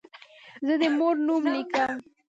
زه د مور نوم لیکم.